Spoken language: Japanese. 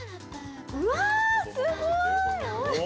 ◆うわあ、すごい。